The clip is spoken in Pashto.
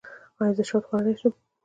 ایا زه شات خوړلی شم؟